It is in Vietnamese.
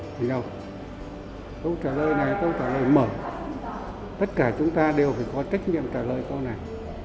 thì đâu câu trả lời này câu trả lời mở tất cả chúng ta đều phải có trách nhiệm trả lời câu này